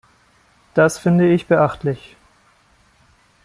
Das finde ich beachtlich.